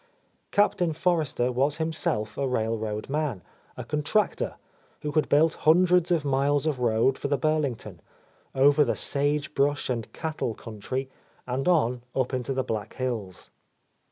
Captain Forrester was himself a railroad man, a contractor, who had built hundreds of miles of road for the Bur lington, — over the sage brush and cattle country, and on up into the Black Hills.